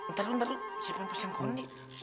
ntar lo ntar lo siapa yang pesen kondi